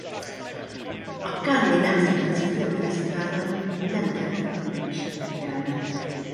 A Cannes-i Nemzetközi Filmfesztiválon nem keltett különösebb figyelmet.